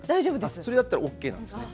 それだったらＯＫです。